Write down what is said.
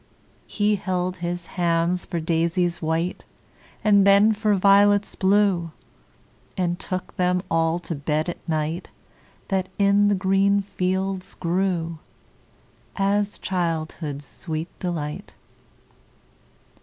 He held his hands for daisies white, And then for violets blue, And took them all to bed at night That in the green fields grew, As childhood's sweet delight.